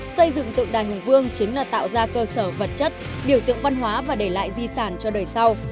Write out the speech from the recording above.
xây dựng tượng đài hùng vương chính là tạo ra cơ sở vật chất biểu tượng văn hóa và để lại di sản cho đời sau